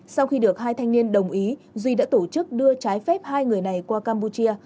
sau khi được hai thanh niên đồng ý duy đã tổ chức đưa trái phép hai người này qua campuchia